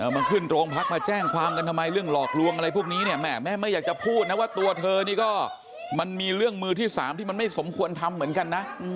มาขึ้นโรงพักมาแจ้งความกันทำไมเรื่องหลอกลวงอะไรพวกนี้เนี่ยแม่ไม่อยากจะพูดนะว่าตัวเธอนี่ก็มันมีเรื่องมือที่๓ที่มันไม่สมควรทำเหมือนกันนะ